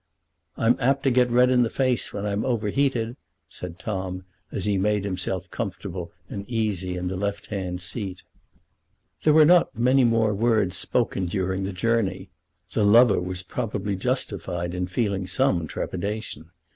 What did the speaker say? "I'm apt to get red in the face when I'm overheated," said Tom as he made himself comfortable and easy in the left hand seat. There were not many more words spoken during the journey. The lover was probably justified in feeling some trepidation.